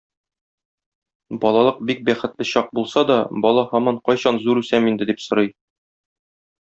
Балалык бик бәхетле чак булса да, бала һаман "кайчан зур үсәм инде" дип сорый.